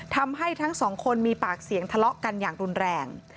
ทั้งสองคนมีปากเสียงทะเลาะกันอย่างรุนแรง